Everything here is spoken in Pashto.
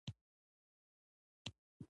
صفایي او ساتنې ته پاملرنه نه وه شوې.